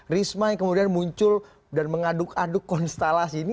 risma yang kemudian muncul dan mengaduk aduk konstelasi ini